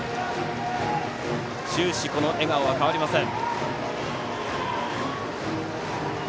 終始、笑顔は変わりません。